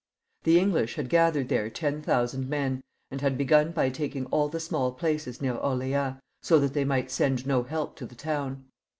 The English had gathered together ten thousand men, and had begun by taking aU the small places near Orleails, so that they might send no help to the town.